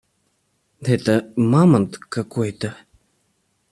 Это мамонт какой-то.